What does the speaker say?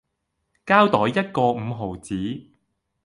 膠袋一個五毫子